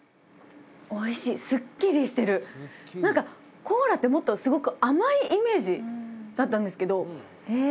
おいしいスッキリしてる何かコーラってもっとすごく甘いイメージだったんですけどえ